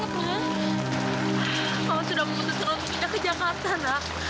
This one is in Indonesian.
kamu lihat foto ini dan katakan